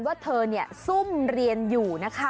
ว่าเธอซุ่มเรียนอยู่นะคะ